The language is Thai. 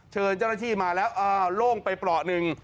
เชิญเจ้าหน้าที่มาแล้วโล่งไปเปราะหนึ่ง